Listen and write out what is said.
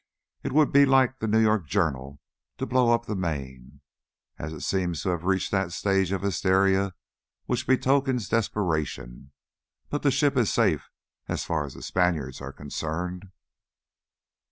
It would be like the New York Journal to blow up the Maine, as it seems to have reached that stage of hysteria which betokens desperation; but the ship is safe as far as the Spaniards are concerned."